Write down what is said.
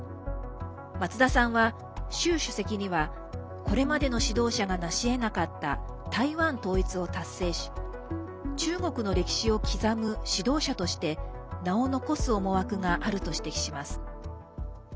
松田さんは、習主席にはこれまでの指導者がなしえなかった台湾統一を達成し中国の歴史を刻む指導者として名を残す思惑があると指摘します。